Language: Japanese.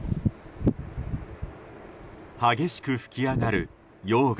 激しく噴き上がる溶岩。